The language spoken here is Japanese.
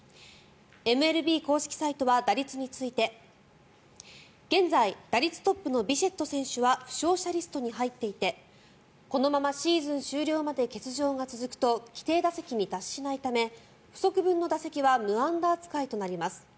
ＭＬＢ公式サイトは打率について現在打率トップのビシェット選手は負傷者リストに入っていてこのままシーズン終了まで欠場が続くと規定打席に達しないため不足分の打席は無安打扱いとなります。